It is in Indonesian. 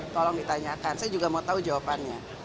tolong ditanyakan saya juga mau tahu jawabannya